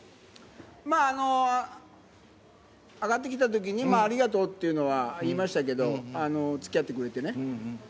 まあ、上がってきたときに、ありがとうっていうのは言いましたけど、つきあってくれてね。